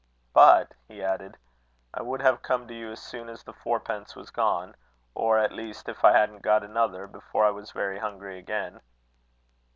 "But," he added, "I would have come to you as soon as the fourpence was gone; or at least, if I hadn't got another before I was very hungry again."